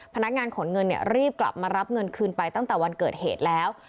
พนักงานขนเงินรีบกลับมารับเงินคืนไปตั้งแต่วันเกิดเหตุแล้ว